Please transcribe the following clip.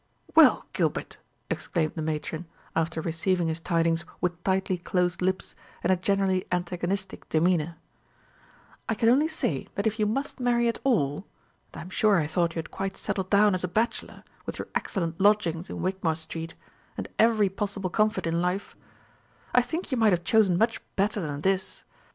"Well, Gilbert," exclaimed the matron, after receiving his tidings with tightly closed lips and a generally antagonistic demeanour, "I can only say, that if you must marry at all and I am sure I thought you had quite settled down as a bachelor, with your excellent lodgings in Wigmore Street, and every possible comfort in life I think you might have chosen much better than this.